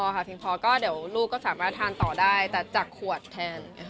หน่อยมากค่ะ